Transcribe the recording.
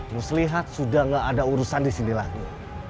lo lihat sudah gak ada urusan di sini lagi